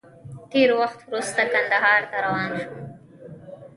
ډېر وخت وروسته کندهار ته روان وم.